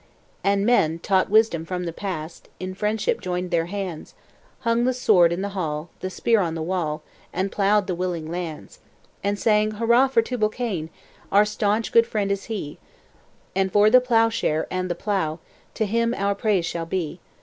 And men, taught wisdom from the past, In friendship joined their hands; Hung the sword in the hall, the spear on the wall, And ploughed the willing lands: And sang "Hurrah for Tubal Cain! Our stanch good friend is he; And for the ploughshare and the plough, To him our praise shall be.